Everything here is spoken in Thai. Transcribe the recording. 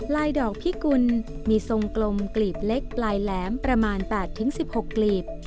ดอกพิกุลมีทรงกลมกลีบเล็กปลายแหลมประมาณ๘๑๖กลีบ